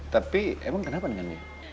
tapi emang kenapa dengan dia